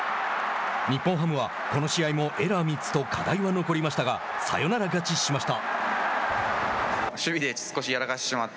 日本ハムはこの試合もエラー３つと課題は残りましたがサヨナラ勝ちしました。